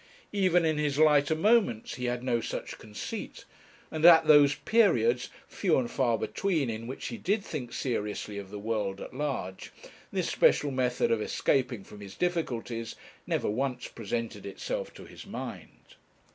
Even in his lighter moments he had no such conceit; and at those periods, few and far between, in which he did think seriously of the world at large, this special method of escaping from his difficulties never once presented itself to his mind.